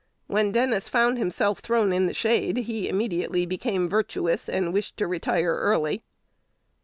When Dennis found himself thrown in the shade, he immediately became virtuous, and wished to retire early.